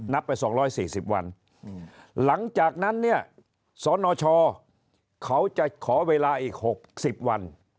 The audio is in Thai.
ไป๒๔๐วันหลังจากนั้นเนี่ยสนชเขาจะขอเวลาอีก๖๐วัน